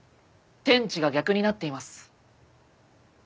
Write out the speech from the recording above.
天地が逆になっています。